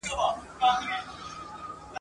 په غوسه ورته وړوکی لوی حیوان وو ..